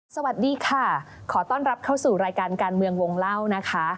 สวัสดีค่ะขอต้อนรับเข้าสู่รายการการเมืองวงเล่านะคะ